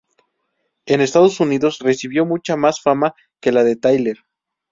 En Estados Unidos recibió mucha más fama que la de Tyler.